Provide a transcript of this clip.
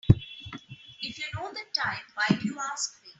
If you know the time why do you ask me?